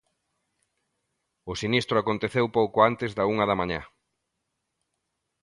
O sinistro aconteceu pouco antes da unha da mañá.